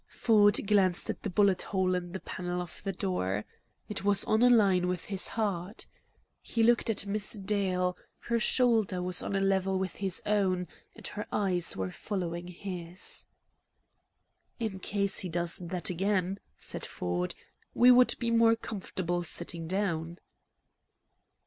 Ford glanced at the bullet hole in the panel of the door. It was on a line with his heart. He looked at Miss Dale; her shoulder was on a level with his own, and her eyes were following his. "In case he does that again," said Ford, "we would be more comfortable sitting down."